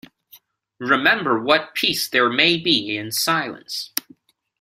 Remember what peace there may be in silence.